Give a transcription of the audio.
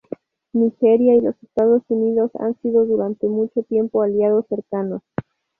Nigeria y los Estados Unidos han sido durante mucho tiempo aliados cercanos.